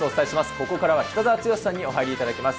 ここからは北澤豪さんにお入りいただきます。